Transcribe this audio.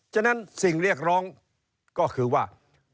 ฉะนั้นสิ่งเรียกร้องก็คือว่า